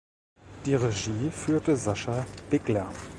Die Regie führte Sascha Bigler.